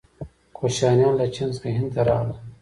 کوشانیان له چین څخه هند ته راغلل.